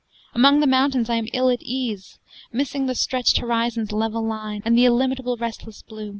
Among the mountains I am ill at ease, Missing the stretched horizon's level line And the illimitable restless blue.